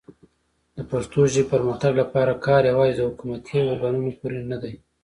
د پښتو ژبې پرمختګ لپاره کار یوازې د حکومتي ارګانونو پورې نه دی.